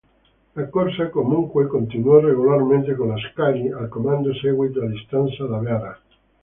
La corsa, comunque, continuò regolarmente con Ascari al comando seguito a distanza da Behra.